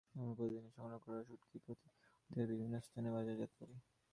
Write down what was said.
আমরা প্রতিদিনের সংগ্রহ করা শুঁটকি প্রতি সপ্তাহে বিভিন্ন স্থানে বাজারজাত করি।